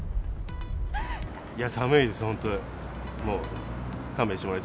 いや、寒いです、本当。